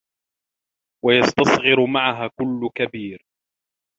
وَيَسْتَصْغِرُ مَعَهَا كُلَّ كَبِيرٍ